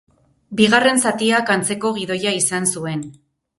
Bigarren zatiak antzeko gidoia izan zuen.